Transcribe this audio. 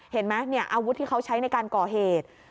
เห็นไหมเนี่ยอาวุธที่เขาใช้ในการก่อเหตุ